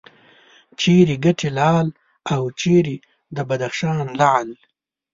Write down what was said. چیرې کټې لال او چیرې د بدخشان لعل.